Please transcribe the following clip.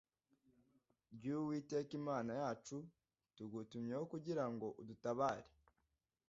ry uwiteka imana yacu tugutumyeho kugira ngo udutabare